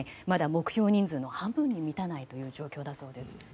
まだ目標人数の半分に満たない状況だそうです。